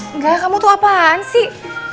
enggak kamu tuh apaan sih